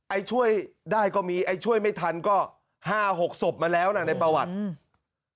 ไอ้ช่วยได้ก็มีไอ้ช่วยไม่ทันก็ห้าหกศพมาแล้วน่ะในประวัติอืม